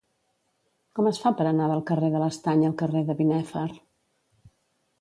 Com es fa per anar del carrer de l'Estany al carrer de Binèfar?